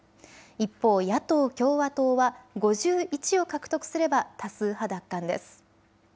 一方、野党・共和党は５１を獲得すれば多数派奪還です。